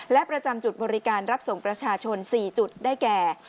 และประจำจุดบริการรับส่งประชาชน๔จุดได้แก่